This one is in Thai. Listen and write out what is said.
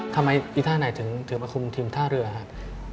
อีท่าไหนถึงมาคุมทีมท่าเรือครับ